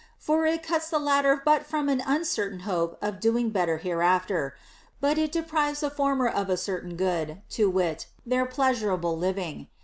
For it cuts the latter but from an uncertain hope of doing better hereafter ; but it deprives the former of a certain good, to wit, their pleasurable living.